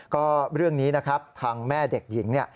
ก็เรื่องนี้นะครับทางแม่เด็กหญิงเนี่ย